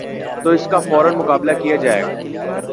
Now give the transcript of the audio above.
تو اس کا فورا مقابلہ کیا جائے گا۔